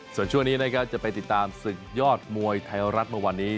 ส่วนช่วงนี้นะครับจะไปติดตามศึกยอดมวยไทยรัฐเมื่อวันนี้